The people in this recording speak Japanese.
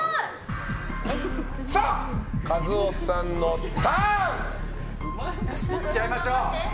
さあ、一男さんのターン！いっちゃいましょう！